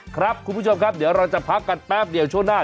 คุณผู้ชมครับเดี๋ยวเราจะพักกันแป๊บเดียวช่วงหน้า